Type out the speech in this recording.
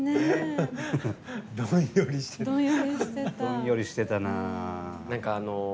どんよりしてたなあ。